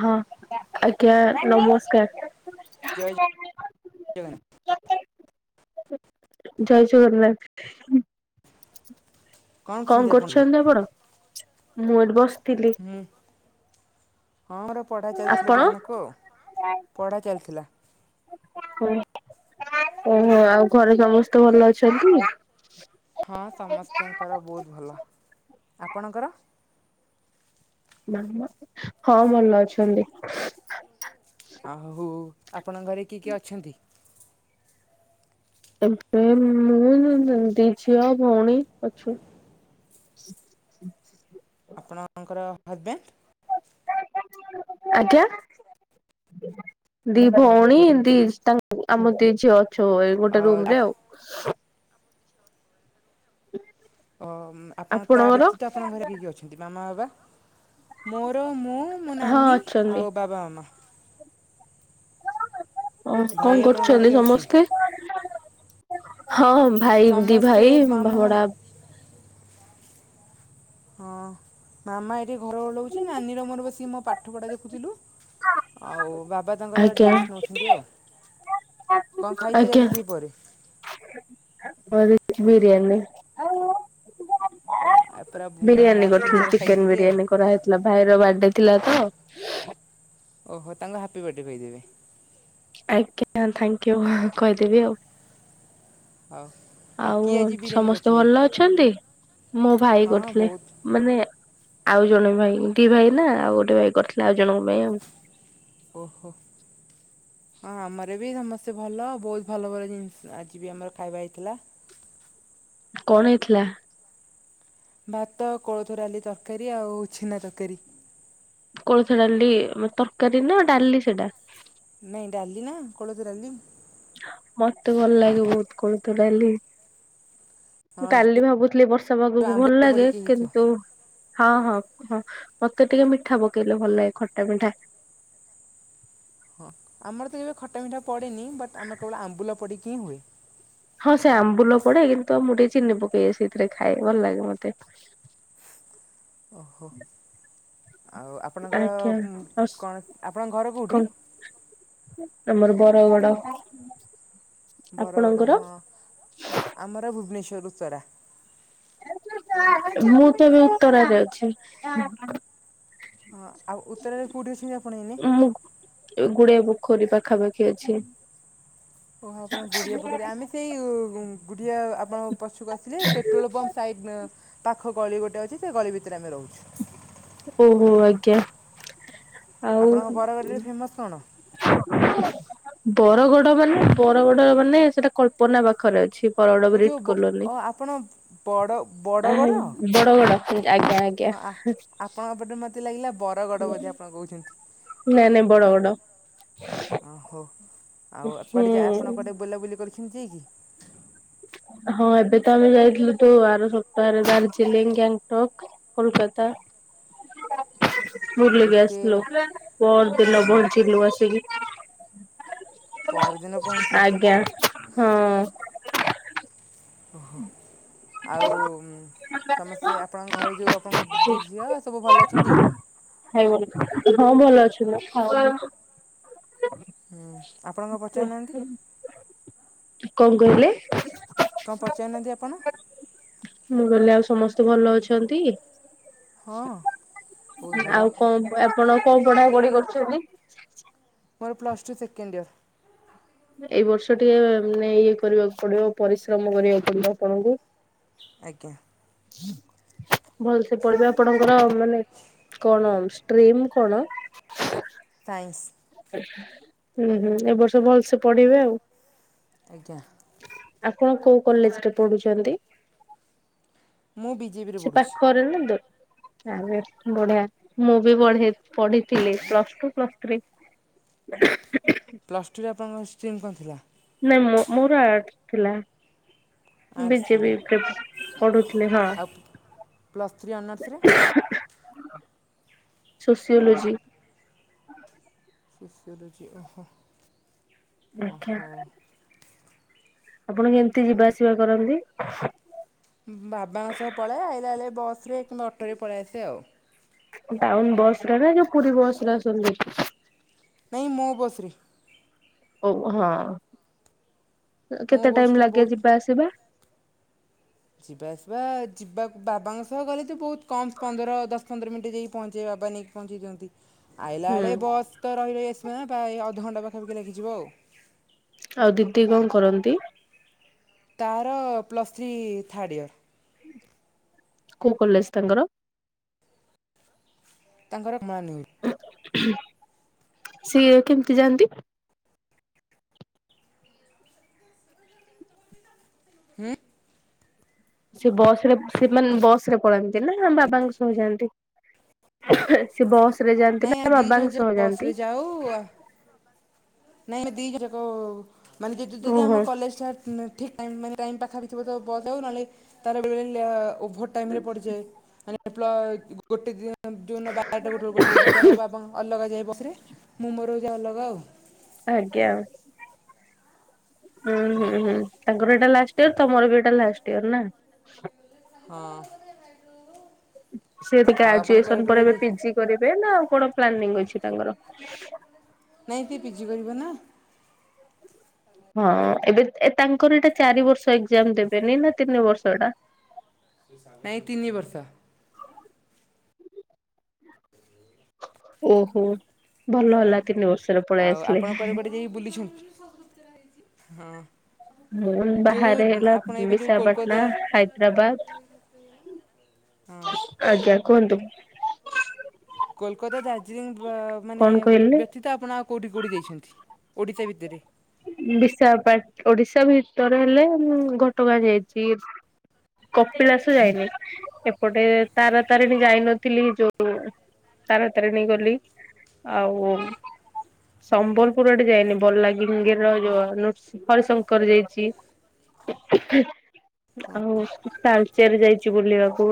ହଁ ଆଜ୍ଞା ନମସ୍କାର। ଜୟ [unintelligible] [inaudible] ଜୟ ଜଗନ୍ନାଥ। କଣ କରୁଛନ୍ତି ଆପଣ? ମୁଁ ଏଠି ବସିଥିଲି। ହୁଁ ହଁ ମୋର ପଢ଼ା ଚାଲିଥିଲା ଆପଣ? ଟିକେ ନାକୁ ଆଉ ପଢ଼ା ଚାଲିଥିଲା। ହୁଁ ଓହୋ ଆଉ ଘରେ ସମସ୍ତେ ଭଲ ଅଛନ୍ତି? ହଁ ସମସ୍ତଙ୍କର ବହୁତ ଭଲ ଆପଣଙ୍କର? ହଁ ଭଲ ଅଛନ୍ତି। ଆ ହଉ ଆପଣଙ୍କ ଘରେ କିଏ କିଏ ଅଛନ୍ତି? ଏବେ ମୁଁ ଦି ଝିଅ ଭଉଣୀ ଅଛୁ। ଆପଣଙ୍କର ହଜବେଣ୍ଡ? ଆଜ୍ଞା। ଦି ଭଉଣୀ ଦି ତାଙ୍କ ଆମ ଦି ଝିଅ ଅଛୁ ଏଇ ଅ ଗୋଟେ ରୁମରେ ଆଉ ଓ ଆପଣ ତା ଆପଣଙ୍କର? ବ୍ୟତୀତ ଆପଣଙ୍କ ଘରେ କିଏ କିଏ ଅଛନ୍ତି ମାମା ବାବା ମୋର ମୁଁ ମୋ ହଁ ନାନୀ ଅଛନ୍ତି ଆଉ ବାବା ମାମା। ଓ ଭାଇ କଣ ଆପଣଙ୍କର କରୁଛନ୍ତି କିଏ ଅଛି? ସମସ୍ତେ ହଁମ୍ ଭାଇ ଦି ସମସ୍ତେ ଭାଇ ଭା ମାମା ହଁ ଵଡ଼ା ହଁ ମାମା ଏଠି ଘର ଓଳଉଛି ନାନୀ ର ମୋର ବସିକି ମୋ ପାଠ ପଢା ଦେଖୁଥିଲୁ। ଆଉ ବାବା ତାଙ୍କର ଆଜ୍ଞା ରେଷ୍ଟ ନଉଛନ୍ତି ଆଉ। କଣ ଖାଇଥିଲି ଆଜ୍ଞା ଆଜି ଦି ପହରେ? [unintelligible] ବିରିୟାନୀ ହଁ ଆ ପୁରା ବିରିୟାନୀ ମସ୍ତ କରିଥିଲି ଜିନିଷଟା ଚିକେନ ଖାଇଛନ୍ତି ଆଉ। ବିରିୟାନୀ କରାହେଇଥିଲା ଭାଇର ବାର୍ଥଡେ ଥିଲା ତ। ଓହୋ ତାଙ୍କ ହାପି ବଥଡେ କହିଦେବେ। ଆଜ୍ଞା ଥାଙ୍କୟୁ କହିଦେବି ଆଉ। ହଉ ଆଉ କିଏ ଆଜି ବିରିୟାନୀ ସମସ୍ତେ କରିଥିଲେ? ଭଲ ଅଛନ୍ତି ମୋ ଭାଇ ହଁ କରୁଥିଲେ। ବହୁତ ମାନେ ଆଉ ଜଣେ ଭାଇ ଦି ଭାଇ ନା ଆଉ ଗୋଟେ ଭାଇ କରିଥିଲେ ଆଉ ଜଣଙ୍କ ପାଇଁ ଆଉ। ଓହୋ। ହଁ ଆମର ବି ସମସ୍ତେ ଭଲ ବହୁତ ଭଲ ଭଲ ଜିନିଷ ଆଜି ବି ଆମର ଖାଇବା ହେଇଥିଲା। କଣ ହେଇଥିଲା। ଭାତ କୋଳଥ ଡାଲି ତରକାରୀ ଆଉ ଛେନା ତରକାରୀ। କୋଳଥ ଡାଲି ମ ତରକାରୀ ନା ଡାଲି ସେଟା। ନାଇଁ ଡାଲି ନା କୋଳଥ ଡାଲି। ମତେ ଭଲ ଲାଗେ ବହୁତ କୋଳଥ ଡାଲି। ହଁ କାଲି ଯୋଉ ଭାବୁଥିଲି ବର୍ଷା ପାଗକୁ ଭଲ ଆମ୍ବୁଲ ଲାଗେ ପଡିକି ହେଇଥିବ। କିନ୍ତୁ ହଁ ହଁ ହଁ ମତେ ଟିକେ ମିଠା ପକେଇଲେ ଭଲ ଲାଗେ ଖଟା ମିଠା। ହଁ ଆମର ତ କେବେ ଖଟା ମିଠା ପଡେନି ବଟ୍ ଆମର କେବଳ ଆମ୍ବୁଲ ପଡିକି ହିଁ ହୁଏ। ହଁ ସେ ଆମ୍ବୁଲ ପଡେ କିନ୍ତୁ ଆଉ ମୁଁ ଟିକେ ଚିନି ପକେଇ ସେଇଥିରେ ଖାଏ ଭଲ ଲାଗେ ମତେ। ଓହୋ ଆଉ ଆପଣଙ୍କର ଆଜ୍ଞା। ମୁ ଆଉ କଣ ଆପଣଙ୍କ ଘର କୋଉଠି। କଣ ଆମର ବରଗଡ। ବରଗଡ଼ ଆପଣଙ୍କର। ହଁ ଆମର ଭୁବନେଶ୍ୱରୁ ଉତ୍ତରା। ମୁଁ ତ ବି ଉତ୍ତରାରେ ଅଛି। ହଁ ଆଉ ଉତ୍ତରାରେ କୋଉଠି ଅଛନ୍ତି ଆପଣ ଏଇନେ। ଏ ଗୁଡ଼ିଆ ପୋଖରୀ ପାଖାପାଖି ଅଛି। ଓହୋ ଆପଣ ଗୁଡିଆ ପୋଖରୀ ଆମେ ସେଇ ଗୁଁ ଗୁଡିଆ ଆପଣ ପଛୁକୁ ଆସିଲେ ପେଟ୍ରୋଲ ପମ୍ପ ସାଇଟ ନେ ପାଖ ଗଳି ଗୋଟେ ଅଛି ସେ ଗଳି ଭିତରେ ଆମେ ରହୁଚୁ। ଓହୋ ଆଜ୍ଞା ଆଉ। ଆପଣଙ୍କ [unintelligible] କଣ। [inaudible] ବରଗଡ ମାନେ ବରଗଡ ମାନେ ସେଟା କଳ୍ପନା ପାଖରେ ଅଛି। ବରଗଡ଼ ଓ ବି ରିଟ୍ ଯେଉଁ କଲୋନୀ ଆପଣ ବଡ଼ ଆ ବଡ଼ଗଡ଼ ବଡଗଡ ଆଜ୍ଞା ଆଜ୍ଞା। ହଁ ଆ- ଆପଣଙ୍କ ପଟେ ମତେ ଲାଗିଲା ବରଗଡ ବୋଧେ ଆପଣ କହୁଛନ୍ତି। ନାଇଁ ନାଇଁ ବଡଗଡ। ଓ ହୋ ଆଉ କୁଆଡେ ଯା ହୁଁ ଆପଣ କୁଆଡେ ବୁଲାବୁଲି କରିଛନ୍ତି କି? ହଁ ଏବେ ତ ଆମେ ଯାଇଥିଲୁ ତୁ ଆର ସପ୍ତାହରେ ଦାର୍ଜିଲିଂ ଗ୍ୟାଙ୍ଗଟକ। କୋଲକାତା। ଓ ବୁର୍ଲିକି ଏତେ ଆସିଲୁ ବା- ପହର ଦିନ ହଁ ବହଞ୍ଚିଲୁ ଆସିକି। ପହରଦିନ ପହଞ୍ଚିଛନ୍ତି ଆଜ୍ଞା ହଁ। ଓହୋ। ଆଉ ଉଁ ସମସ୍ତେ ଆପଣଙ୍କ ଘରେ ଯୋଉ ଆପଣଙ୍କ ଦିି ଝିଅ ସବୁ ଭଲ ଅଛନ୍ତି? ଖାଇବଳି ହଁ ଭଲ ଅଛି ଲୋ [unintelligible] ହୁଁ ଆପଣଙ୍କ କଣ ପଚାରୁ ନାହାଁନ୍ତି? କଣ କହିଲେ? କଣ ପଚାରି ନାହାଁନ୍ତି ଆପଣ? ମୁଁ କହିଲି ଆଉ ସମସ୍ତେ ଭଲ ଅଛନ୍ତି? ହଁ ବହୁତ ଭଲ ଆଉ କଣ ବ ଆପଣ କଣ ପଢାପଢି କରୁଛନ୍ତି? ମୋର ପ୍ଲସ ଟୁ ସେକେଣ୍ଡ ଇୟର। ଏଇ ବର୍ଷ ଟିକେ ମାନେ ଇଏ କରିବାକୁ ପଡିବ ପରିଶ୍ରମ କରିବାକୁ ପଡିବ ଆପଣଙ୍କୁ। ଆଜ୍ଞା। ଭଲ ସେ ପଢିବେ ଆପଣଙ୍କର ମାନେ କଣ ଷ୍ଟ୍ରିମ୍ କଣ? ସାଇନ୍ସ। ହୁଁ ହୁଁ ଏ ବର୍ଷ ଭଲସେ ପଢିବେ ଆଉ। ଆଜ୍ଞା। ଆପଣ କୋଉ କଲେଜ ରେ ପଢୁଛନ୍ତି? ମୁଁ ବିଜେପିରେ ସେ ପଢ଼ୁଛି ପାଖରେ ନା ଦୁର୍? ଆରେ ବଢିଆ ମୁଁ ବି ବଢେ ପଢିଥିଲି ପ୍ଲସ ଟୁ ପ୍ଲସ ଥ୍ରୀ। ନାଁ। [unintelligible] ପ୍ଲସ୍ ଟୁରେ ଆପଣଙ୍କର ଷ୍ଟିମ୍ କଣଥିଲା? ନାଇଁ ମୋ ମୋର ଆଡ୍ସ ଥିଲା। ଆର୍ଟ୍ସ ବିଜେ ବି ଥିଲା ୟୁକେପ୍ ପଢୁଥିଲି ହଁ। ଆଉ ପ୍ଲସ୍ ଥ୍ରୀ ଅନର୍ସରେ? ସୋସିଓଲୋଜି। ସୋସିଓଲୋଜି ଓହୋ ଆଜ୍ଞା ଓହୋ। ଆପଣ କେମିତି ଯିବା ଆସିବା କରନ୍ତି? ବାବାଙ୍କ ସହ ପଳାଏ ଆଇଲା ବେଳେ ବସ୍ ରେ କିମ୍ବା ଅଟୋରେ ପଳେଇ ଆସେ ଆଉ। ଟାଉନ ବସ୍ ରା ରେ ନା ପୁରୀ ବସ ରେ ଆସନ୍ତି? ନାଇଁ ମୋ ବସ୍ ରେ। ଓ ହଁ ମୋ କେତେ ଟାଇମ୍ ବସ୍ଟା ଲାଗେ ବହୁତ ଯିବା ଆସିବା? ଯିବା ଆସିବା ଯିବାକୁ ବାବାଙ୍କ ସହ ଗଲେ ତ ବହୁତ କମ୍ ପନ୍ଦର ଦଶ ପନ୍ଦର ମିନିଟ ଦେଇ ପହଞ୍ଚେଇବେ ବାବା ନେଇକି। ପହଞ୍ଚେଇ ଦିଅନ୍ତି ଆଇଲା ହୁଁ ବେଳେ ବସ୍ ତ ରହି ରହି ଆସିବ ନା ପ୍ରାୟ ଅଧଘଣ୍ଟା ପାଖାପାଖି ଲାଗିଯିବ ଆଉ। ଆଉ ଦିଦି କଣ କରନ୍ତି? ତାର ପ୍ଲସ୍ ଥ୍ରୀ ଥାର୍ଡ଼ ଇୟର୍। କୋଉ କଲେଜ ତାଙ୍କର? ତାଙ୍କର ମନି ଉଇ ସିଏ କେମିତି ଯାଆନ୍ତି? ହୁଁ? ସେ ବସ ରେ ସେମାନେ ବସ୍ ରେ ପଳାନ୍ତି ନା ବାବାଙ୍କ ସହ ଯାଆନ୍ତି? ସେ ବସ୍‌ ରେ ଯାଆନ୍ତି ନାଇଁ ନା ଆମେ ଦି ଜଣ ବାବାଙ୍କ ଯାକ ସହ ବସ୍ ରେ ଯାଆନ୍ତି? ଯାଉ ଆ ନାଇଁ ଆମେ ଦିଟା ଜାକ ମାନେ ଯଦି ଯଦି ଓହୋ ଆମ କଲେଜ ଷ୍ଟାଟ ନାଁ ଠିକ୍ ଟାଇମ୍ ମାନେ ଟାଇମ୍ ପାଖାପାଖିବ ତ ବସ ଯଉ ନହେଲେ ତାର ବେଳେ ବେଳେ ଲ ଓଭର ଟାଇମ ରେ ପଡ଼ିଯାଏ ମାନେ ପ୍ଲ ଗୋଟେ ଦିନ ଯୋଉ ଦିନ ବାରଟା ଗୋଟେ ରେପଡିଥବ ସେ ତାର ବାବା ଅଲଗା ଯାଇ ବସେ। ମୁଁ ମୋର ଯାଏ ଅଲଗା ଆଉ। ଆଜ୍ଞା ହୁଁ ହଁ ହୁଁ ହୁଁ। ତାଙ୍କର ଏଇଟା ଲାଷ୍ଟ ତମର ବି ଏଇଟା ଲାଷ୍ଟ ଇୟର ନା? ହଁ। ସେ ଟିକେ ଆଉ ଆପଣ କୁଆଡ଼େ ଗ୍ରାଜୁଏସନ କୁଆଡ଼େ ପରେ ଏବେ ଯାଇ ପିଜି କରିବେ ନା ଆଉ କଣ ପ୍ଲାନିଂ ଅଛି ତାଙ୍କର? ନାଇଁ ସିଏ ପିଜି କରିବ ନା। ହଁ ଏବେ ଏ ତାଙ୍କର ଏଇଟା ଚାରି ବର୍ଷ ଏକ୍ଜାମ ଦେବେନି ନା ତିନି ବର୍ଷ ଏଟା? ନାଇଁ ତିନି ବର୍ଷ। ଓହୋ। ଭଲ ହେଲା ତିନି ବର୍ଷ। ଆଉ ଆପଣ କୁଆଡ଼େ କୁଆଡ଼େ ଯାଇ ବୁଲିଛନ୍ତି? ହଁ। ମୁଁ ଯୋଉ ବାହାରେ ହେଲା ଆପଣ ଏବେ ଯୋଉ ବିଶାଖାପାଟଣା କୋଲକତା ହାଇଦ୍ରାବାଦ ହଁ। ଆଜ୍ଞା କୁହନ୍ତୁ। କୋଲକାତା ଦାର୍ଜିଲିଂ ମାନେ କଣ କହିଲେ? ବ୍ୟତୀତ ଆପଣ ଆଉ କୋଉଁଠି କୋଉଁଠି ଯାଇଛନ୍ତି ଓଡ଼ିଶା ଭିତେରେ? ବିଶାଖାପାଟ୍, ଓଡିଶା ଭିତରେ ହେଲେ ମୁଁ ଘଟଗାଁ ଯାଇଚି। କପିଳାସ ଯାଇନି। ଏପଟେ ତାରା ତାରିଣୀ ଯାଇନଥିଲି ଯୋଉ ତାରା ତାରିଣୀ ଗଲି। ଆଉ ସମ୍ବଲପୁର ଆଡ଼େ ଯାଇନି। ବଲା ଙ୍ଗିର ର ଯୋଉ ନୃ ହରିଶଙ୍କର ଯାଇଚି। ଆଉ ତାଳଚେର୍ ଯାଇଚି ବୁଲିବାକୁ।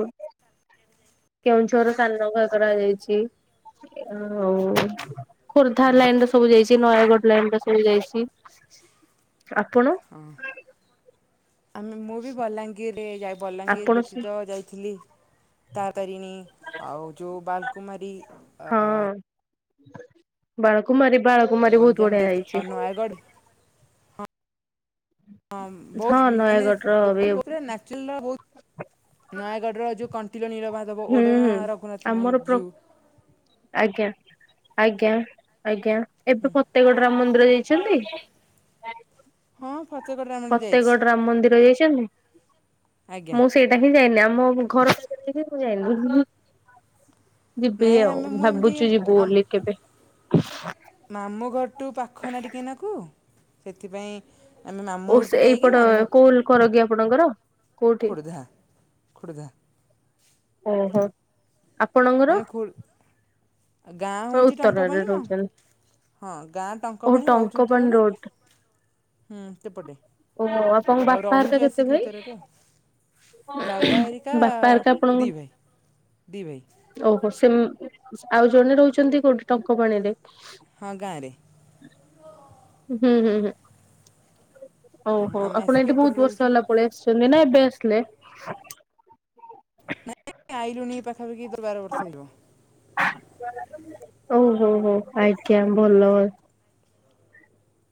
କେଉଁଝର ସାନଘାଗରା ଯାଇଚି। ଆଉ ଖୋର୍ଦ୍ଧା ଲାଇନ୍ ର ସବୁ ଯାଇଚି। ନୟାଗଡ ଲାଇନ୍ ର ସବୁ ଯାଇଚି। ଆପଣ? ଆମେ ମୁଁ ବି ବଲାଙ୍ଗୀର୍ ରେ ବଲାଙ୍ଗୀର ଆପଣ ସେ ବ୍ୟତୀତ ଯାଇଥିଲି ତାରା ତାରିଣୀ ଆଉ ଯୋଉ ବାଲ୍ କୁମାରୀ। ଆ ହଁ ବାଳକୁମାରୀ ବାଳକୁମାରୀ ବହୁତ ବଢିଆ ହେଇଛି। ରାୟଗଡ଼ ହଁ ବହୁତ୍ ହଁ ମାନେ ନୟାଗଡ [unintelligible] ର ବି ବହୁତ୍ ନୟାଗଡ଼ର ଯୋଉ କଣ୍ଟିିଲ ନୀଳମାଧବ ହୁଁ ଓଡଗାଁ ହୁଁ ରଘୁନାଥ। ଆମର ପ୍ର [unintelligible] ଆଜ୍ଞା ଆଜ୍ଞା ଆଜ୍ଞା। ଏବେ ପ ଫତେଗଡ୍ ରାମ ମନ୍ଦିର ଯାଇଛନ୍ତି? ହଁ ଫତେଗଡ଼ ରାମରେ ଯାଇଛି ଫତେଗଡ୍ ରାମ ମନ୍ଦିର ଯାଇଛନ୍ତି? ଆଜ୍ଞା। ମୁଁ ସେଇ ଯାଇନି। ଆମ ଘର ପାଖରେ ହେଇକି ମୁଁ ଯାଇନି। ଯିବି ନାଇଁ ଆଉ। ଆମେ ମୁଁ ଏମିତି ଭାବୁଚୁ ଯିବୁ ଆମ ବୋଲି କେବେ। ମାମୁଁ ଘରଠୁ ପାଖ ନା ଟିକେ ନାକୁ ସେଥିପାଇଁ ଆମେ ଓ ମାମୁଁ ସେ ଘରକୁୁ ଯାଇକି ଏଇପଟ ମାମୁଁ କୋଉ କର କି ଆପଣଙ୍କର? କୋଉଠି ଖୋର୍ଦ୍ଧା। ଖୋର୍ଦ୍ଧା। ଓହୋ। ଆପଣଙ୍କର? ଆ ଗାଁ ହଉଚି ଉତ୍ତରାରେ ଟଙ୍କପାଣି ମ। ରହୁଛନ୍ତି। ହଁ ଗାଁ ଓହୋ ଟଙ୍କପାଣି ରହୁଚୁ ଉତ୍ତରା ରେ। ରୋଡ ହୁଁ ସେପଟେ। ଓହୋ ଆପଣଙ୍କ ଆଉ ବାପା ହେରିକା ରହୁଚୁ କେତେ ଆସିକି ଭାଇ? ଉତ୍ତରା ରେ ଆଉ। ବାବା ହେରିକା ବାପା ହେରିକା ଆପଣଙ୍କ ଦିଇ ଭାଇ ଦିଇ ଭାଇ। ଓହୋ ସେ ଆଉ ଜଣେ ରହୁଛନ୍ତି କୋଉଠି ଟଙ୍କପାଣିରେ? ହଁ ଗାଁରେ। ହୁଁ ହୁଁ ହୁଁ। ଓହୋ ଆମେ ଆପଣ ଆସିକି ଏଠି ଏପଟେ ବହୁତ ବର୍ଷ ରହୁଛୁ ହେଲା ପଳେଇ ଆସି ଛନ୍ତି ନା ଏବେ ଆସିଲେ? ନାଇଁ ଆଇଲୁଣି ପାଖାପାଖି ଦଶ ବାର ବର୍ଷ ହେଇଯିବ। ଓ- ହୋ -ହୋ ଆଜ୍ଞା ଭଲ।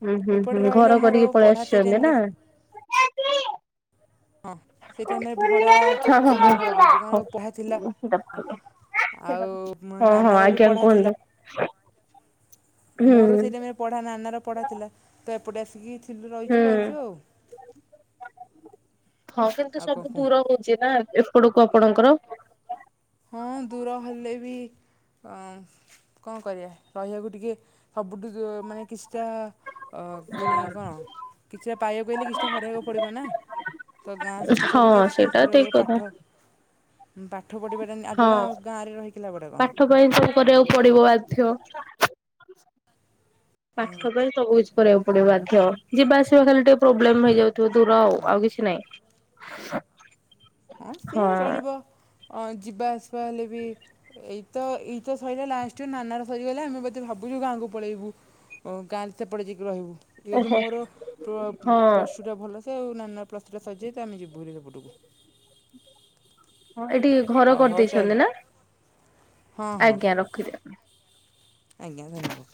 ହୁଁ- ହୁଁ- ଏପଟେ ହୁଁ ରହିଲେ ଘର ମୋର କରିକି ପଳେଇ ପଢ଼ା ସେଇ ଆସିଚନ୍ତି ଟାଇମରେ ନା? ହଁ ସେଇ ଟାଇମରେ ଭଡ଼ା [unintelligible] ଯେଉଁ ଭଡ଼ା କହୁଛି କଣ ପଢ଼ା ଥିଲା ଆଉ ମୋ ହଁ- ହଁ ନାନାର ବି ଆଜ୍ଞା ପଢ଼ା ଥିଲା କୁହନ୍ତୁ। ହୁଁ ମୋର ସେଇ ଟାଇମ୍ ରେ ପଢା ନାନାର ପଢା ଥିଲା ତ ଏପଟେ ଆସିକି ଥିଲୁ ହୁଁ। ରହିଚୁ ରହିଚୁ ଆଉ। ହଁ କିନ୍ତୁ ଆଉ କଣ ସବୁ କୁହ ଦୂର ହଉଚି ନା ଏପଟକୁ ଆପଣଙ୍କର? ହଁ ଦୂର ହେଲେ ବି‌ ଆଁ କଣ କରିବା ରହିବାକୁ ଟିକେ ସବୁଠୁ ମାନେ କିଛିଟା ଅ- ମାନେ କଣ କିଛିଟା ପାଇବାକୁ ହେଲେ କିଛିଟା ହରାଇବାକୁ ପଡିବ ନା। ତ ଗାଁ ସୁଖ ହଁ ଛାଡ଼ିକି ଏତି ସେଇଟା [unintelligible] ରହିବ ଠିକ କଥା। ପାଠ। ପାଠ ପଢିବାଟା ନି-ଆଗ ହଁ ନା ଆଉ ଗାଁରେ ରହିିକି ଲାଭଟା କଣ। ପାଠ ପାଇଁ ସବୁ କରିବାକୁ ପଡିବ ବାଧ୍ୟ। ପାଠ ପାଇଁ ସବୁ କିଛି କରିବାକୁ ପଡିବ ବାଧ୍ୟ ଯିବା ଆସିବା ଖାଲି ଟିକେ ପ୍ରୋବ୍ଲେମ ହେଇଯାଉ ତୁ ଦୂର ଆଉ କିିଛି ନାଇ। ଆଉ ସିଏ ଚଳିବ ଅ- ଯିବା ଆସିବା ହେଲେ ବି ଏଇତ -ଏଇତ ସରିଲା ଲାଷ୍ଟେରେ ନାନାର ସରିଗଲା ଆମେ ବୋଧେ ଭାବୁଚୁ ଗାଁକୁ ପଳେଇବୁ। ଓ ଗାଁରେ ସେପଟେ ଯାଇକି ରହିବୁ। ଟିକେ ଯଉ ଓହୋ ମୋର ହଁ। ପ୍ଲ-ପ୍ଲସ୍ ଟୁ ଟା ଭଲସେ ଆଉ ନାନ ପ୍ଲସ୍ ଥ୍ରୀ ସରିଯାଇଥାଏ ତ ଆମେ ଯିବୁ ସେପଟକୁ। ହଁ ଏଠି ଘର ଅ ହଉ ତାହେଲେ କରିଦେଇଚନ୍ତି ନା- ହଁ ହଁ ଆଜ୍ଞା କରିଦିଅନ୍ତୁ। ଆଜ୍ଞା ଧନ୍ୟବାଦ।